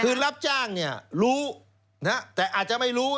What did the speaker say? คือรับจ้างเนี่ยรู้แต่อาจจะไม่รู้